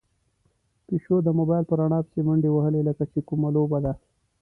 پيشو د موبايل په رڼا پسې منډې وهلې، لکه چې کومه لوبه ده.